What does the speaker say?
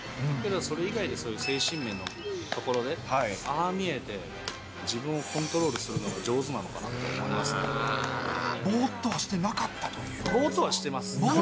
それ以外でそういう精神面のところで、ああ見えて、自分をコントロールするのが上手なのかなと思ぼーっとはしてなかったといぼーっとはしてます。